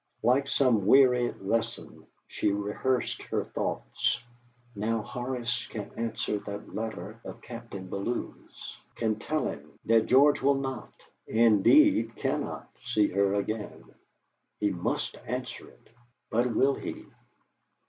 Like some weary lesson she rehearsed her thoughts: 'Now Horace can answer that letter of Captain Bellow's, can tell him that George will not indeed, cannot see her again. He must answer it. But will he?'